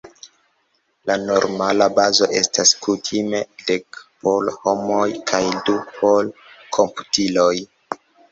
La normala bazo estas kutime dek por homoj kaj du por komputiloj.